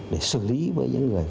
để xử lý với những người